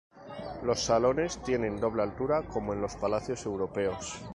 Los salones tienen doble altura como en los palacios europeos.